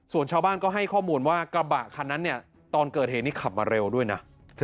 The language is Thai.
ส่วนชาวบ้านก็ให้ข้อมูลว่ากระบะคันนั้นเนี่ยตอนเกิดเหตุนี้ขับมาเร็วด้วยนะ